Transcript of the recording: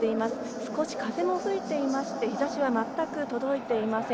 少し風も吹いていまして日ざしは全く届いていません。